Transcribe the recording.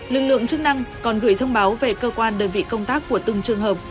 lực lượng chức năng còn gửi thông báo về cơ quan đơn vị công tác của từng trường hợp